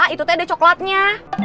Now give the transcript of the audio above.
itu teh deh coklatnya